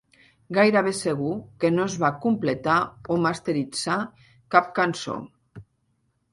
Gairebé segur que no es va completar o masteritzar cap cançó.